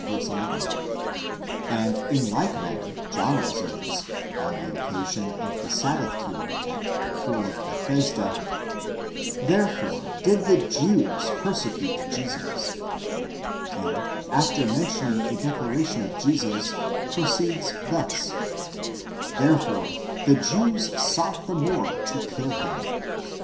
11); and in like manner John observes, on the occasion of the Sabbath cure at the pool of Bethesda: therefore did the Jews persecute Jesus, and after mentioning a declaration of Jesus, proceeds thus: therefore the Jews sought the more to kill him (vy.